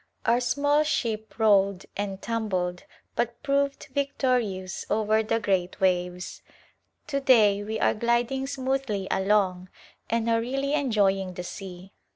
Our small ship rolled and tumbled but proved victorious over the great waves. To day Outward Journey we are gliding smoothly along and are really enjoying the sea.